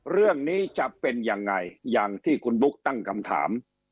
เรื่องนี้จะเป็นยังไงอย่างที่คุณบุ๊คตั้งคำถาม